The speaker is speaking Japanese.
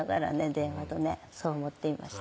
電話とねそう思って言いました